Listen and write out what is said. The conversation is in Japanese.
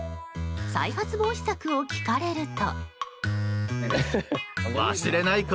再発防止策を聞かれると。